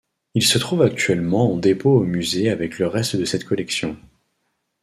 Il se trouve actuellement en dépôt au musée avec le reste de cette collection.